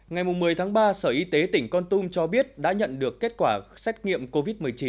ngày một mươi tháng ba sở y tế tỉnh con tum cho biết đã nhận được kết quả xét nghiệm covid một mươi chín